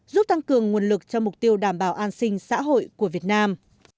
giúp tăng cường nguồn lực cho mục tiêu đảm bảo an sinh xã hội của việt nam